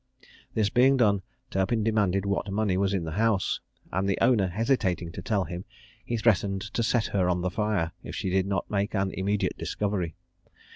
"This being done, Turpin demanded what money was in the house; and the owner hesitating to tell him, he threatened to set her on the fire if she did not make an immediate discovery.